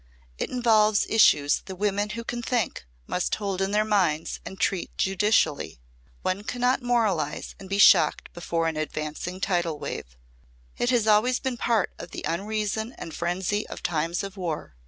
"It involves issues the women who can think must hold in their minds and treat judicially. One cannot moralise and be shocked before an advancing tidal wave. It has always been part of the unreason and frenzy of times of war.